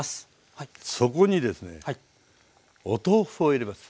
そこにですねお豆腐を入れます。